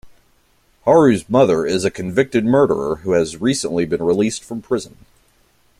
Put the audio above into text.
Haru's mother is a convicted murderer who has recently been released from prison.